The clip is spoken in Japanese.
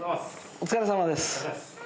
お疲れさまです。